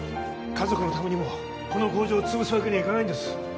家族のためにもこの工場を潰すわけにはいかないんです！